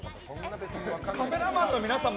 カメラマンの皆さんも？